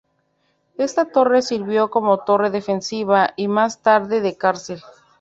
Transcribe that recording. Esta torre sirvió como torre defensiva y más tarde de cárcel.